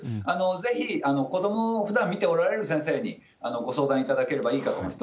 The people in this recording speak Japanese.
ぜひ、子どもをふだん診ておられる先生にご相談いただければいいかと思います。